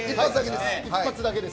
一発だけです。